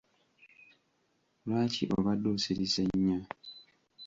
Lwaki obadde osirise nnyo?